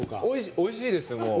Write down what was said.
おいしいですよ。